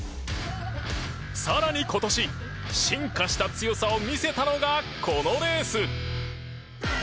更に今年、進化した強さを見せたのが、このレース！